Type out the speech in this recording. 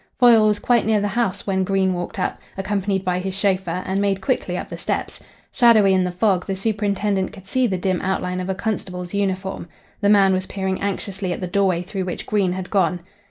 Foyle was quite near the house when Green walked up, accompanied by his chauffeur, and made quickly up the steps. Shadowy in the fog, the superintendent could see the dim outline of a constable's uniform. The man was peering anxiously at the doorway through which Green had gone.